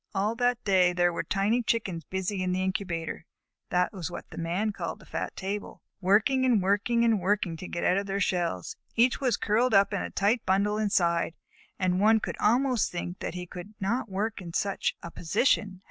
All that day there were tiny Chickens busy in the incubator (that was what the Man called the fat table), working and working and working to get out of their shells. Each was curled up in a tight bunch inside, and one would almost think that he could not work in such a position.